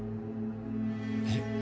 えっ？